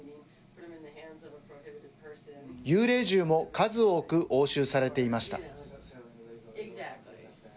幽霊銃も数多く押収されていました。